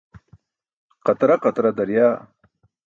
Qatra qatra daryaa.